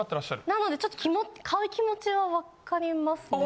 なのでちょっと買う気持ちはわかりますね。